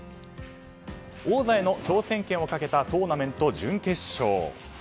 王座への挑戦権をかけたトーナメント準決勝。